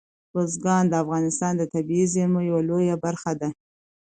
بزګان د افغانستان د طبیعي زیرمو یوه لویه برخه ده.